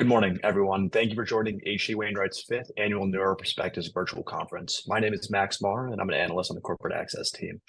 Good morning, everyone. Thank you for joining H.C. Wainwright's fifth annual Neuro Perspectives Virtual Conference. My name is Max Maher, and I'm an analyst on the corporate access team.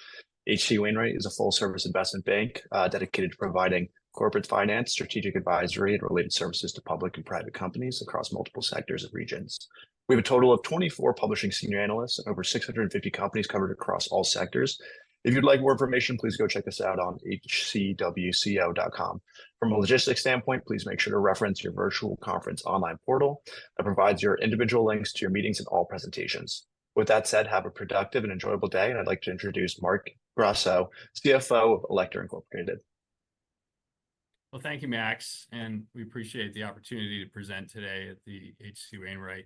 H.C. Wainwright is a full-service investment bank, dedicated to providing corporate finance, strategic advisory, and related services to public and private companies across multiple sectors and regions. We have a total of 24 publishing senior analysts and over 650 companies covered across all sectors. If you'd like more information, please go check us out on hcwco.com. From a logistics standpoint, please make sure to reference your virtual conference online portal that provides your individual links to your meetings and all presentations. With that said, have a productive and enjoyable day, and I'd like to introduce Marc Grasso, CFO of Alector, Inc. Well, thank you, Max, and we appreciate the opportunity to present today at the H.C. Wainwright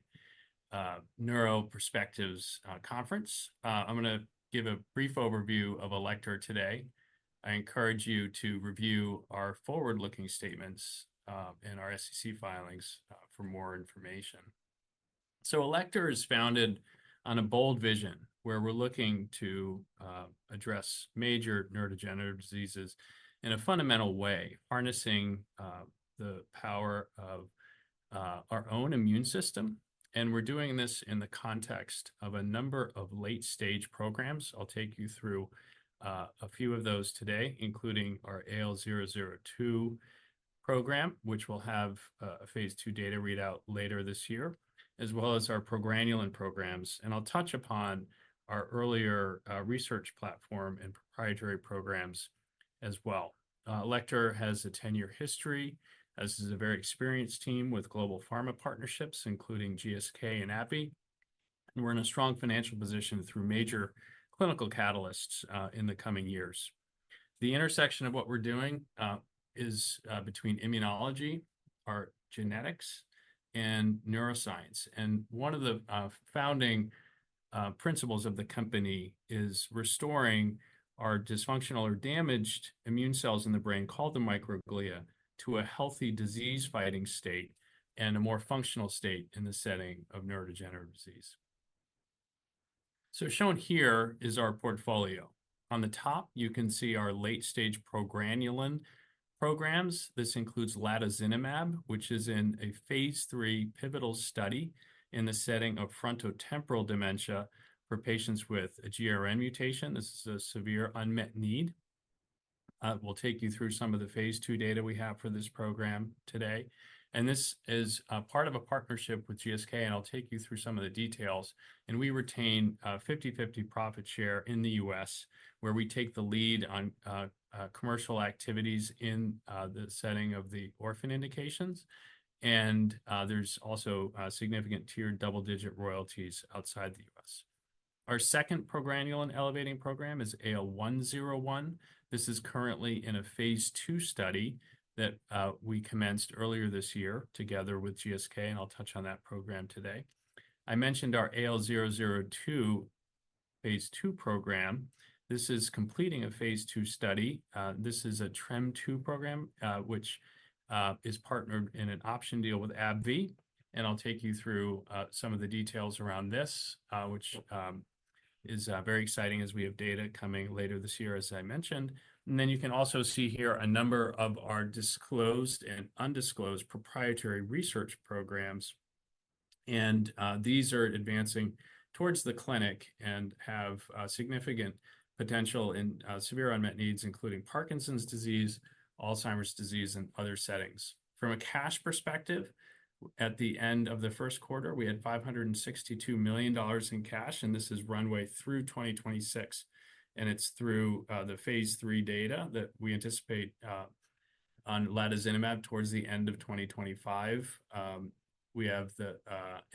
Neuro Perspectives Conference. I'm gonna give a brief overview of Alector today. I encourage you to review our forward-looking statements and our SEC filings for more information. Alector is founded on a bold vision, where we're looking to address major neurodegenerative diseases in a fundamental way, harnessing the power of our own immune system. And we're doing this in the context of a number of late-stage programs. I'll take you through a few of those today, including our AL002 program, which will have a phase II data readout later this year, as well as our progranulin programs. And I'll touch upon our earlier research platform and proprietary programs as well. Alector has a 10-year history, as this is a very experienced team with global pharma partnerships, including GSK and AbbVie. We're in a strong financial position through major clinical catalysts in the coming years. The intersection of what we're doing is between immunology, our genetics, and neuroscience. One of the founding principles of the company is restoring our dysfunctional or damaged immune cells in the brain, called the microglia, to a healthy, disease-fighting state and a more functional state in the setting of neurodegenerative disease. Shown here is our portfolio. On the top, you can see our late-stage progranulin programs. This includes latozinemab, which is in a phase III pivotal study in the setting of frontotemporal dementia for patients with a GRN mutation. This is a severe unmet need. We'll take you through some of the phase II data we have for this program today. And this is part of a partnership with GSK, and I'll take you through some of the details. And we retain 50/50 profit share in the U.S., where we take the lead on commercial activities in the setting of the orphan indications. And there's also significant tiered double-digit royalties outside the U.S.. Our second progranulin elevating program is AL101. This is currently in a phase II study that we commenced earlier this year together with GSK, and I'll touch on that program today. I mentioned our AL002 phase II program. This is completing a phase II study. This is a TREM2 program, which is partnered in an option deal with AbbVie, and I'll take you through some of the details around this, which is very exciting as we have data coming later this year, as I mentioned. And then you can also see here a number of our disclosed and undisclosed proprietary research programs, and these are advancing towards the clinic and have significant potential in severe unmet needs, including Parkinson's disease, Alzheimer's disease, and other settings. From a cash perspective, at the end of the first quarter, we had $562 million in cash, and this is runway through 2026, and it's through the phase III data that we anticipate on latozinemab towards the end of 2025. We have the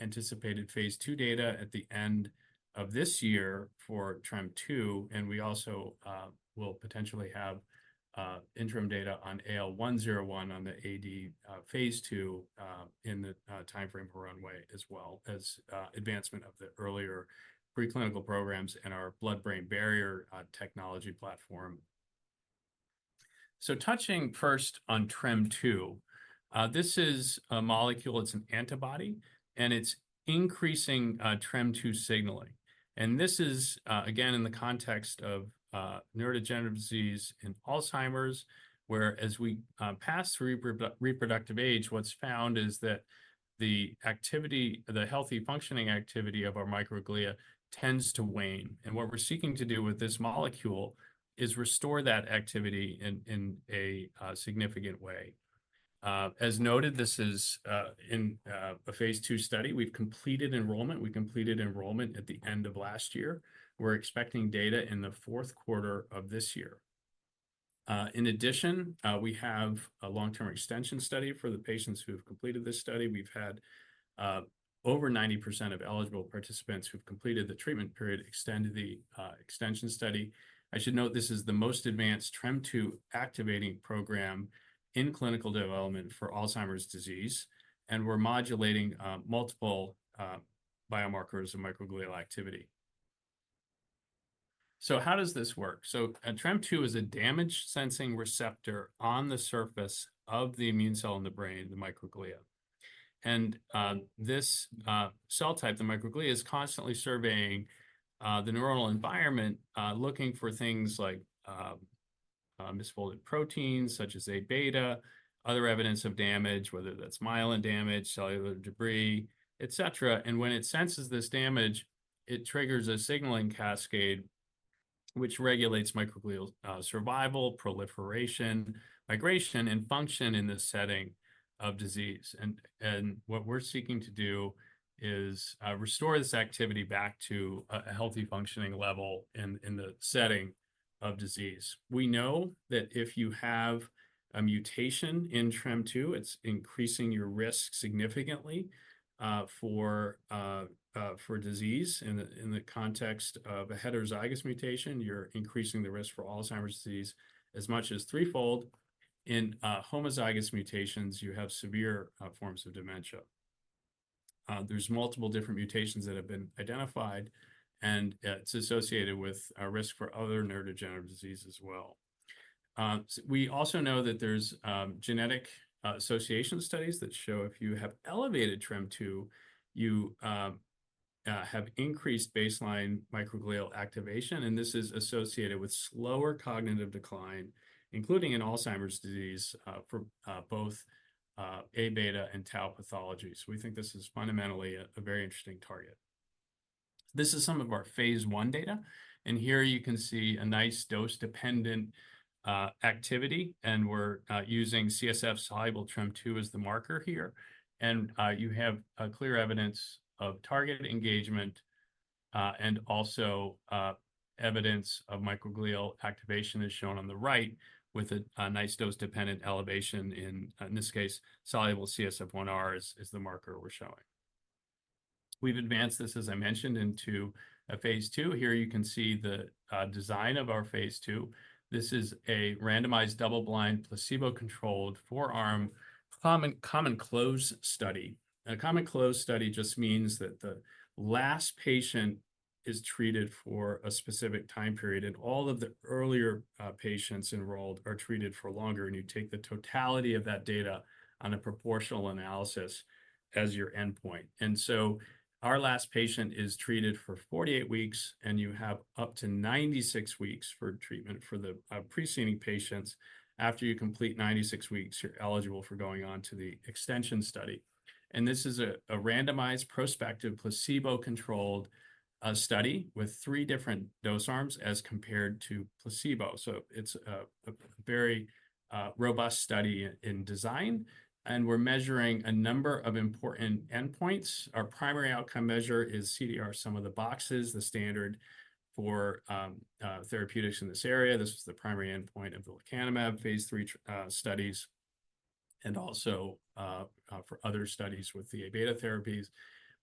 anticipated phase II data at the end of this year for TREM2, and we also will potentially have interim data on AL101 on the AD phase II in the timeframe for runway, as well as advancement of the earlier preclinical programs and our blood-brain barrier technology platform. So touching first on TREM2, this is a molecule, it's an antibody, and it's increasing TREM2 signaling. And this is again in the context of neurodegenerative disease in Alzheimer's, whereas we pass through reproductive age, what's found is that the activity, the healthy functioning activity of our microglia tends to wane. And what we're seeking to do with this molecule is restore that activity in a significant way. As noted, this is in a phase II study. We've completed enrollment. We completed enrollment at the end of last year. We're expecting data in the fourth quarter of this year. In addition, we have a long-term extension study for the patients who have completed this study. We've had over 90% of eligible participants who've completed the treatment period extend to the extension study. I should note this is the most advanced TREM2 activating program in clinical development for Alzheimer's disease, and we're modulating multiple biomarkers of microglial activity. So how does this work? So a TREM2 is a damage-sensing receptor on the surface of the immune cell in the brain, the microglia. And this cell type, the microglia, is constantly surveying the neuronal environment, looking for things like misfolded proteins such as Aβ, other evidence of damage, whether that's myelin damage, cellular debris, et cetera. And when it senses this damage, it triggers a signaling cascade which regulates microglial survival, proliferation, migration, and function in the setting of disease. And what we're seeking to do is restore this activity back to a healthy functioning level in the setting of disease. We know that if you have a mutation in TREM2, it's increasing your risk significantly for disease. In the context of a heterozygous mutation, you're increasing the risk for Alzheimer's disease as much as threefold. In homozygous mutations, you have severe forms of dementia. There's multiple different mutations that have been identified, and it's associated with a risk for other neurodegenerative disease as well. We also know that there's genetic association studies that show if you have elevated TREM2, you have increased baseline microglial activation, and this is associated with slower cognitive decline, including in Alzheimer's disease, for both Aβ and tau pathologies. We think this is fundamentally a very interesting target. This is some of our phase I data, and here you can see a nice dose-dependent activity, and we're using CSF soluble TREM2 as the marker here. And you have a clear evidence of target engagement and also evidence of microglial activation, as shown on the right, with a nice dose-dependent elevation in this case, soluble CSF1R is the marker we're showing. We've advanced this, as I mentioned, into phase II. Here you can see the design of our phase II. This is a randomized, double-blind, placebo-controlled, four-arm, common close study. A common close study just means that the last patient is treated for a specific time period, and all of the earlier patients enrolled are treated for longer, and you take the totality of that data on a proportional analysis as your endpoint. So our last patient is treated for 48 weeks, and you have up to 96 weeks for treatment for the preceding patients. After you complete 96 weeks, you're eligible for going on to the extension study. This is a randomized, prospective, placebo-controlled study with three different dose arms as compared to placebo. So it's a very robust study in design, and we're measuring a number of important endpoints. Our primary outcome measure is CDR Sum of the Boxes, the standard for therapeutics in this area. This is the primary endpoint of the lecanemab phase III studies and also for other studies with the Aβ therapies.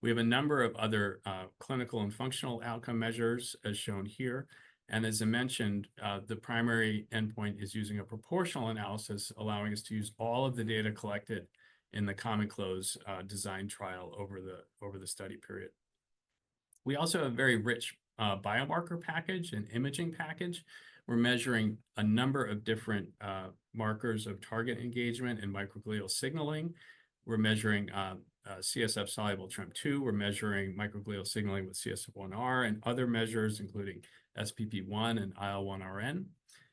We have a number of other clinical and functional outcome measures, as shown here. As I mentioned, the primary endpoint is using a proportional analysis, allowing us to use all of the data collected in the common close design trial over the study period. We also have a very rich biomarker package and imaging package. We're measuring a number of different markers of target engagement and microglial signaling. We're measuring CSF soluble TREM2. We're measuring microglial signaling with CSF1R and other measures, including SPP1 and IL1RN.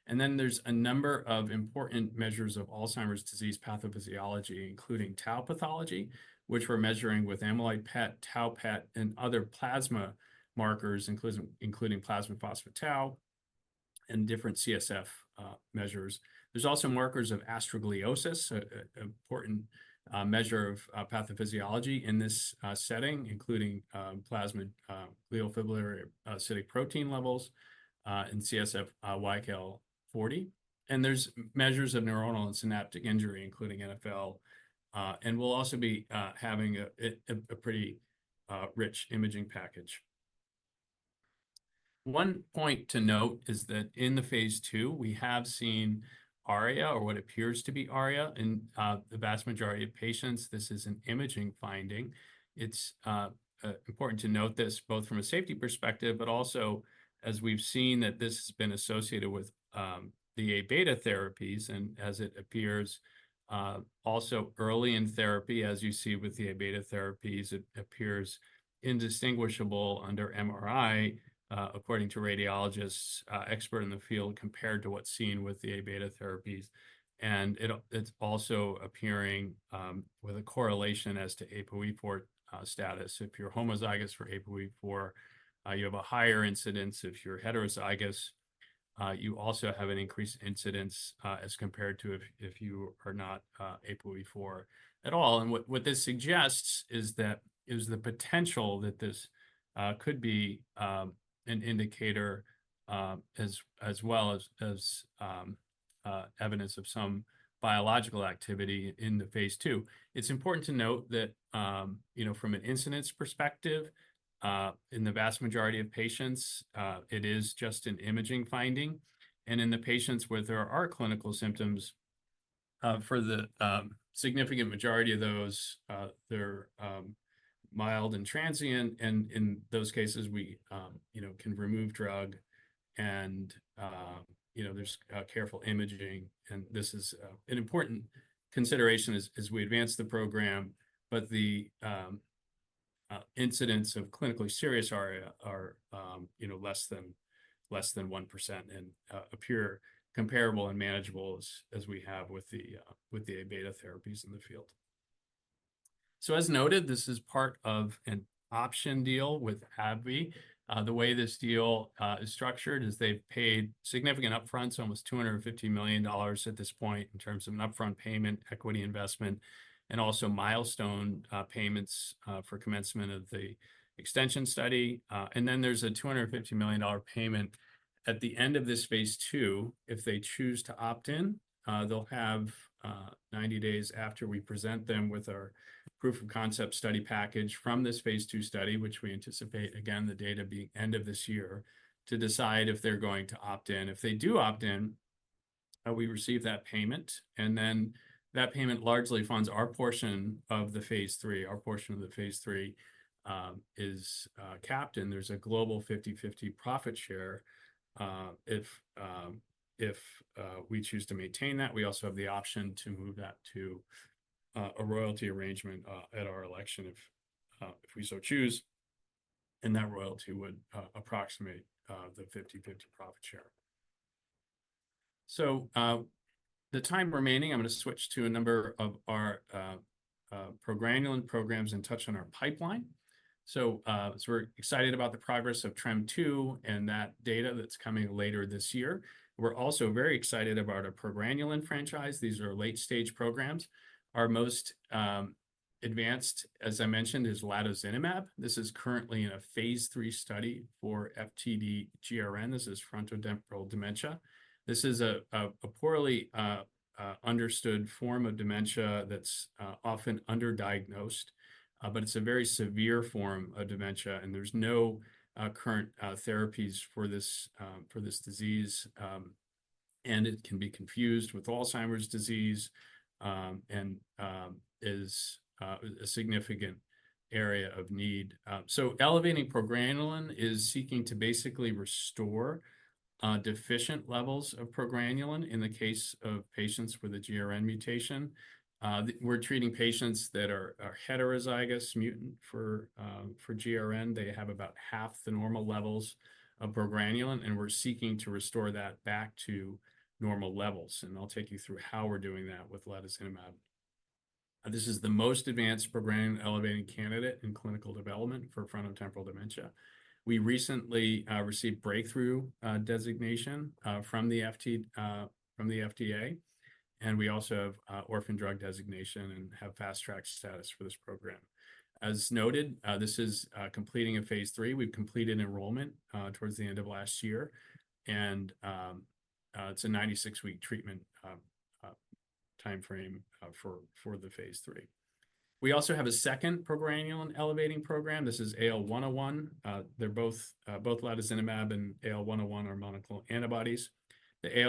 And then there's a number of important measures of Alzheimer's disease pathophysiology, including tau pathology, which we're measuring with amyloid PET, tau PET, and other plasma markers, including plasma phospho-tau and different CSF measures. There's also markers of astrogliosis, an important measure of pathophysiology in this setting, including plasma glial fibrillary acidic protein levels and CSF YKL-40. And there's measures of neuronal and synaptic injury, including NfL. And we'll also be having a pretty rich imaging package. One point to note is that in the phase II, we have seen ARIA, or what appears to be ARIA, in the vast majority of patients. This is an imaging finding. It's important to note this both from a safety perspective, but also as we've seen that this has been associated with the Aβ therapies and as it appears also early in therapy. As you see with the Aβ therapies, it appears indistinguishable under MRI according to radiologists expert in the field, compared to what's seen with the Aβ therapies. And it's also appearing with a correlation as to APOE4 status. If you're homozygous for APOE4, you have a higher incidence. If you're heterozygous, you also have an increased incidence as compared to if you are not APOE4 at all. What this suggests is that there's the potential that this could be an indicator as well as evidence of some biological activity in the phase II. It's important to note that, you know, from an incidence perspective, in the vast majority of patients, it is just an imaging finding. In the patients where there are clinical symptoms, for the significant majority of those, they're mild and transient, and in those cases, we, you know, can remove drug and, you know, there's careful imaging. This is an important consideration as we advance the program, but the incidences of clinically serious ARIA, you know, less than 1% and appear comparable and manageable as we have with the Aβ therapies in the field. So, as noted, this is part of an option deal with AbbVie. The way this deal is structured is they've paid significant upfront, so almost $250 million at this point, in terms of an upfront payment, equity investment, and also milestone payments for commencement of the extension study. And then there's a $250 million payment at the end of this phase II, if they choose to opt in. They'll have 90 days after we present them with our proof of concept study package from this phase II study, which we anticipate, again, the data being end of this year, to decide if they're going to opt in. If they do opt in, we receive that payment, and then that payment largely funds our portion of the phase III. Our portion of the phase III is capped, and there's a global 50/50 profit share. If we choose to maintain that, we also have the option to move that to a royalty arrangement at our election, if we so choose, and that royalty would approximate the 50/50 profit share. So, the time remaining, I'm gonna switch to a number of our progranulin programs and touch on our pipeline. So we're excited about the progress of TREM2 and that data that's coming later this year. We're also very excited about our progranulin franchise. These are late-stage programs. Our most advanced, as I mentioned, is latozinemab. This is currently in a phase III study for FTD-GRN. This is frontotemporal dementia. This is a poorly understood form of dementia that's often underdiagnosed, but it's a very severe form of dementia, and there's no current therapies for this disease. And it can be confused with Alzheimer's disease, and is a significant area of need. So elevating progranulin is seeking to basically restore deficient levels of progranulin in the case of patients with a GRN mutation. We're treating patients that are heterozygous mutant for GRN. They have about half the normal levels of progranulin, and we're seeking to restore that back to normal levels, and I'll take you through how we're doing that with latozinemab. This is the most advanced progranulin elevating candidate in clinical development for frontotemporal dementia. We recently received breakthrough designation from the FDA, and we also have orphan drug designation and have fast track status for this program. As noted, this is completing a phase III. We've completed enrollment towards the end of last year, and it's a 96-week treatment timeframe for the phase III. We also have a second progranulin elevating program. This is AL101. They're both latozinemab and AL101 are monoclonal antibodies. The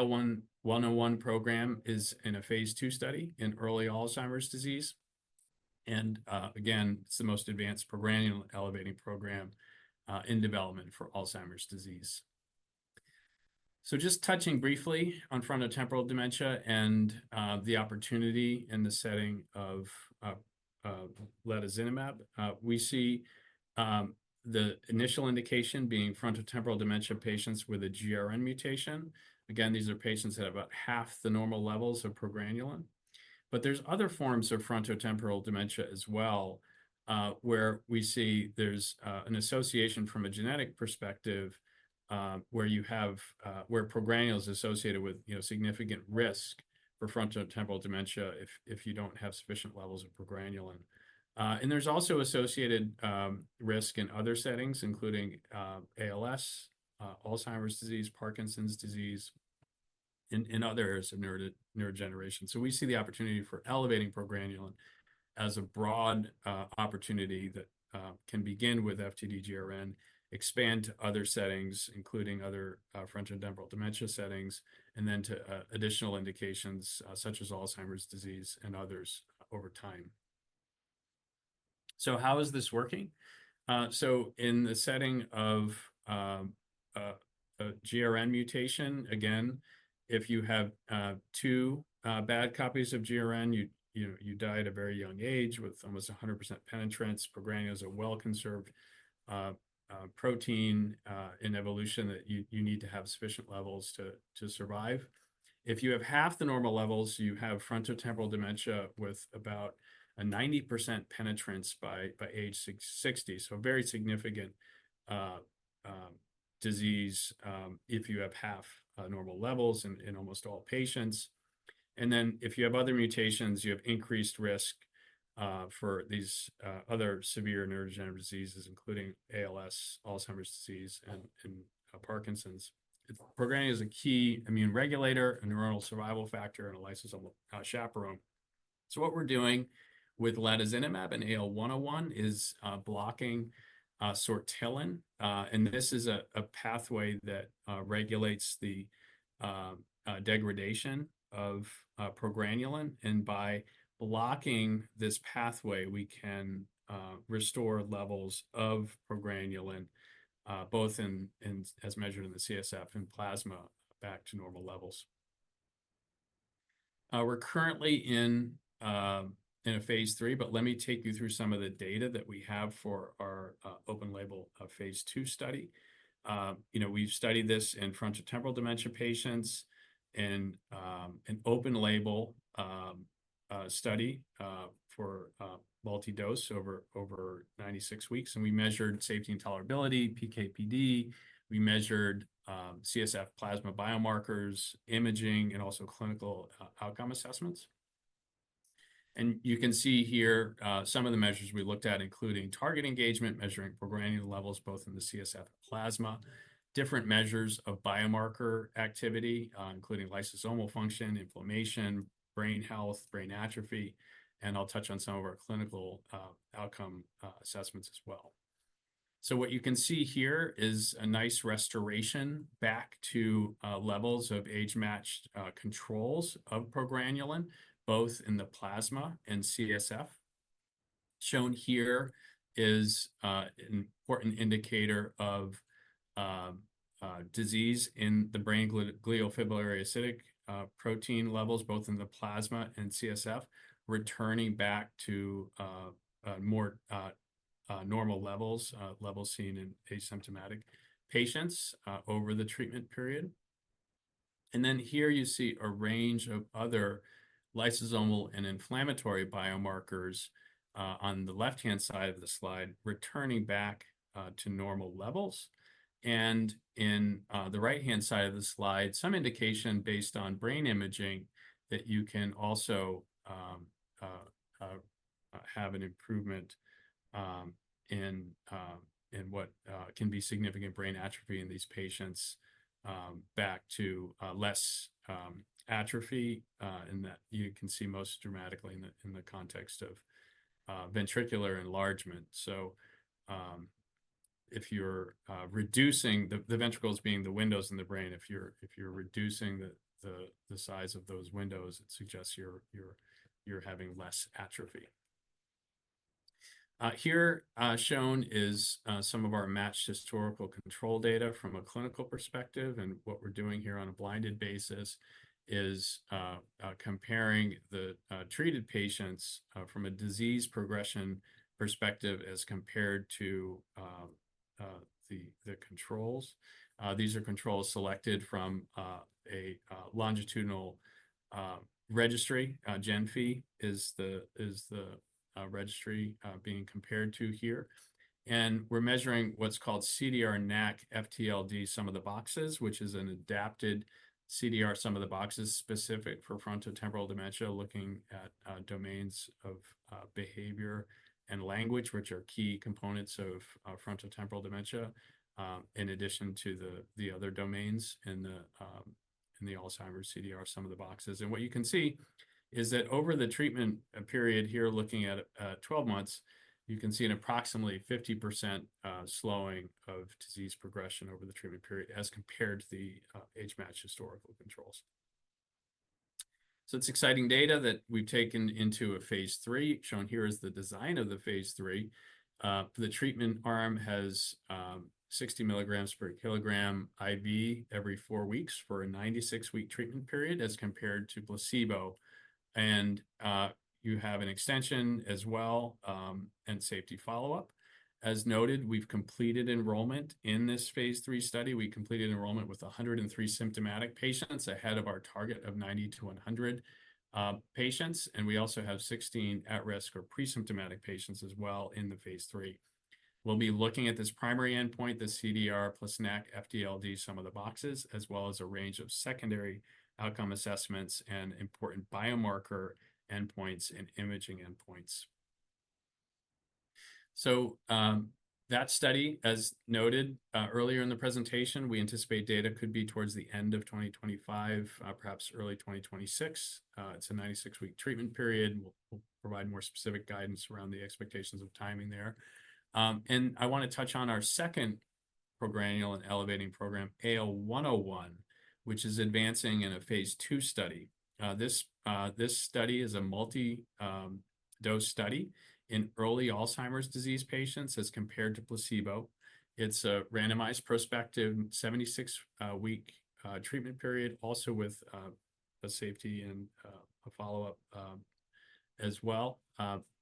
AL101 program is in a phase II study in early Alzheimer's disease, and, again, it's the most advanced progranulin elevating program, in development for Alzheimer's disease. So just touching briefly on frontotemporal dementia and, the opportunity in the setting of latozinemab. We see the initial indication being frontotemporal dementia patients with a GRN mutation. Again, these are patients that have about half the normal levels of progranulin, but there's other forms of frontotemporal dementia as well, where we see there's, an association from a genetic perspective, where you have-- where progranulin is associated with, you know, significant risk for frontotemporal dementia if you don't have sufficient levels of progranulin. And there's also associated risk in other settings, including ALS, Alzheimer's disease, Parkinson's disease, and other areas of neurodegeneration. So we see the opportunity for elevating progranulin as a broad opportunity that can begin with FTD-GRN, expand to other settings, including other frontotemporal dementia settings, and then to additional indications, such as Alzheimer's disease and others over time. So how is this working? So in the setting of a GRN mutation, again, if you have two bad copies of GRN, you die at a very young age with almost 100% penetrance. Progranulin is a well-conserved protein in evolution that you need to have sufficient levels to survive. If you have half the normal levels, you have frontotemporal dementia with about a 90% penetrance by age 60. So a very significant disease if you have half normal levels in almost all patients. And then if you have other mutations, you have increased risk for these other severe neurodegenerative diseases, including ALS, Alzheimer's disease, and Parkinson's. Progranulin is a key immune regulator, a neuronal survival factor, and a lysosomal chaperone. So what we're doing with latozinemab and AL101 is blocking sortilin. And this is a pathway that regulates the degradation of progranulin, and by blocking this pathway, we can restore levels of progranulin, both in, as measured in the CSF and plasma, back to normal levels. We're currently in a phase III, but let me take you through some of the data that we have for our open-label phase II study. You know, we've studied this in frontotemporal dementia patients in an open-label study for multi-dose over 96 weeks, and we measured safety and tolerability, PK/PD. We measured CSF plasma biomarkers, imaging, and also clinical outcome assessments. And you can see here some of the measures we looked at, including target engagement, measuring progranulin levels, both in the CSF and plasma. Different measures of biomarker activity, including lysosomal function, inflammation, brain health, brain atrophy, and I'll touch on some of our clinical outcome assessments as well. So what you can see here is a nice restoration back to levels of age-matched controls of progranulin, both in the plasma and CSF. Shown here is an important indicator of disease in the brain, glial fibrillary acidic protein levels, both in the plasma and CSF, returning back to more normal levels, levels seen in asymptomatic patients, over the treatment period. And then here you see a range of other lysosomal and inflammatory biomarkers on the left-hand side of the slide, returning back to normal levels. In the right-hand side of the slide, some indication based on brain imaging, that you can also have an improvement in what can be significant brain atrophy in these patients back to less atrophy, and that you can see most dramatically in the context of ventricular enlargement. So, if you're reducing the ventricles being the windows in the brain, if you're reducing the size of those windows, it suggests you're having less atrophy. Here shown is some of our matched historical control data from a clinical perspective. What we're doing here on a blinded basis is comparing the treated patients from a disease progression perspective, as compared to the controls. These are controls selected from a longitudinal registry. GENFI is the registry being compared to here. And we're measuring what's called CDR-NACC-FTLD Sum of the Boxes, which is an adapted CDR Sum of the Boxes, specific for frontotemporal dementia, looking at domains of behavior and language, which are key components of frontotemporal dementia, in addition to the other domains in the Alzheimer's CDR Sum of the Boxes. And what you can see is that over the treatment period here, looking at 12 months, you can see an approximately 50% slowing of disease progression over the treatment period as compared to the age-matched historical controls. So it's exciting data that we've taken into a phase III. Shown here is the design of the phase III. The treatment arm has 60 mg/kg IV every four weeks for a 96-week treatment period, as compared to placebo. You have an extension as well, and safety follow-up. As noted, we've completed enrollment in this phase III study. We completed enrollment with 103 symptomatic patients, ahead of our target of 90 to 100 patients, and we also have 16 at-risk or pre-symptomatic patients as well in the phase III. We'll be looking at this primary endpoint, the CDR plus NACC-FTLD, Sum of the Boxes, as well as a range of secondary outcome assessments and important biomarker endpoints and imaging endpoints. That study, as noted, earlier in the presentation, we anticipate data could be towards the end of 2025, perhaps early 2026. It's a 96-week treatment period. We'll, we'll provide more specific guidance around the expectations of timing there. And I wanna touch on our second progranulin elevating program, AL101, which is advancing in a phase II study. This study is a multi-dose study in early Alzheimer's disease patients as compared to placebo. It's a randomized, prospective, 76-week treatment period, also with a safety and a follow-up as well.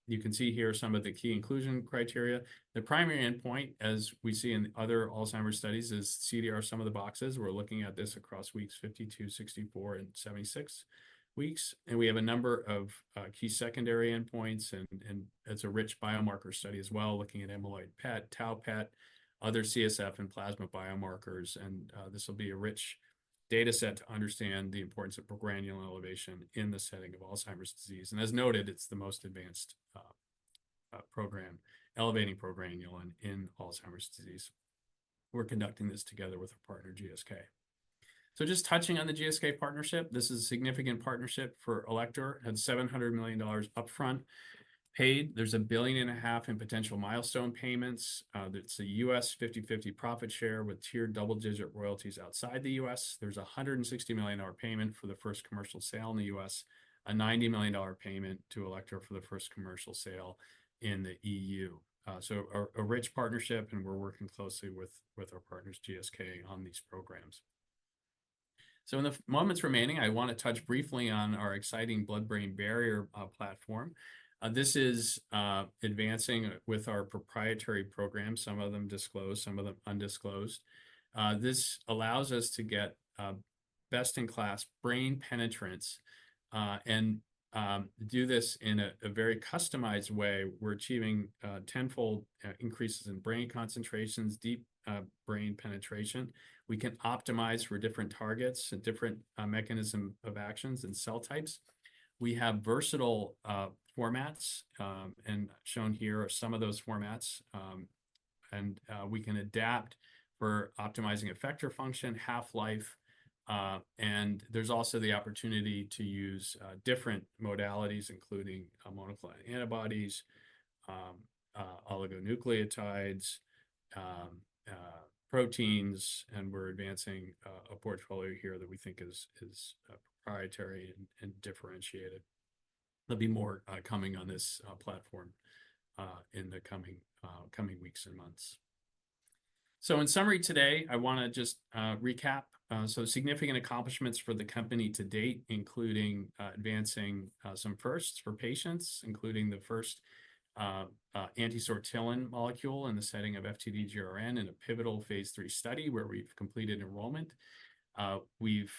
You can see here some of the key inclusion criteria. The primary endpoint, as we see in other Alzheimer's studies, is CDR Sum of the Boxes. We're looking at this across weeks 52, 64, and 76 weeks, and we have a number of key secondary endpoints, and it's a rich biomarker study as well, looking at amyloid PET, tau PET, other CSF and plasma biomarkers. This will be a rich data set to understand the importance of progranulin elevation in the setting of Alzheimer’s disease. As noted, it’s the most advanced program elevating progranulin in Alzheimer’s disease. We’re conducting this together with our partner, GSK. So just touching on the GSK partnership, this is a significant partnership for Alector and $700 million upfront paid. There’s $1.5 billion in potential milestone payments. It’s a US 50/50 profit share with tiered double-digit royalties outside the US. There’s a $160 million payment for the first commercial sale in the US, a $90 million payment to Alector for the first commercial sale in the EU. So a rich partnership, and we’re working closely with our partners, GSK, on these programs. So in the moments remaining, I want to touch briefly on our exciting blood-brain barrier platform. This is advancing with our proprietary program, some of them disclosed, some of them undisclosed. This allows us to get best-in-class brain penetrance and do this in a very customized way. We're achieving tenfold increases in brain concentrations, deep brain penetration. We can optimize for different targets and different mechanism of actions and cell types. We have versatile formats, and shown here are some of those formats. And we can adapt for optimizing effector function, half-life. And there's also the opportunity to use different modalities, including monoclonal antibodies, oligonucleotides, proteins, and we're advancing a portfolio here that we think is proprietary and differentiated. There'll be more coming on this platform in the coming weeks and months. So in summary, today, I wanna just recap. So significant accomplishments for the company to date, including advancing some firsts for patients, including the first anti-sortilin molecule in the setting of FTD-GRN in a pivotal phase III study, where we've completed enrollment. We've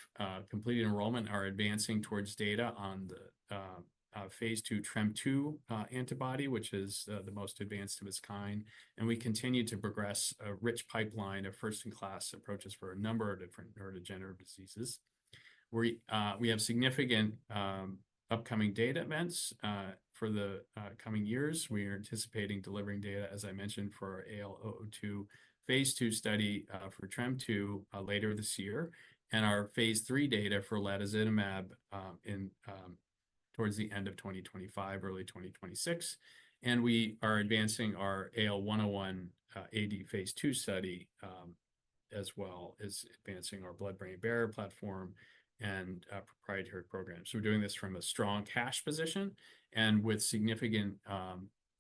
completed enrollment, are advancing towards data on the phase II TREM2 antibody, which is the most advanced of its kind, and we continue to progress a rich pipeline of first-in-class approaches for a number of different neurodegenerative diseases. We have significant upcoming data events for the coming years. We are anticipating delivering data, as I mentioned, for AL002, phase II study, for TREM2, later this year, and our phase III data for latozinemab, towards the end of 2025, early 2026. We are advancing our AL101, AD phase II study, as well as advancing our blood-brain barrier platform and proprietary programs. So we're doing this from a strong cash position and with significant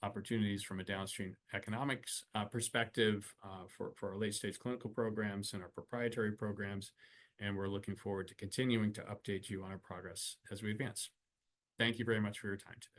opportunities from a downstream economics perspective for our late-stage clinical programs and our proprietary programs. We're looking forward to continuing to update you on our progress as we advance. Thank you very much for your time today.